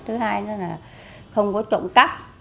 thứ hai nữa là không có trộm cắp